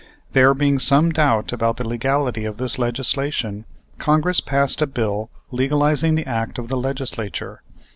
There being some doubt about the legality of this legislation, Congress passed a bill legalizing the act of the Legislature.